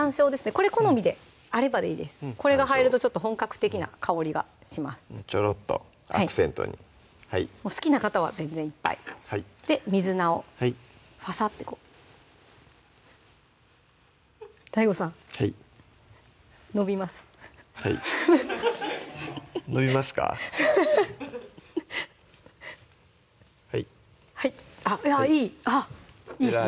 これ好みであればでいいですこれが入るとちょっと本格的な香りがしますちょろっとアクセントに好きな方は全然いっぱい水菜をファサッてこうＤＡＩＧＯさんはい伸びますはい伸びますかはいはいあっいいいいですね